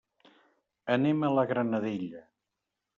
Anem a la Granadella.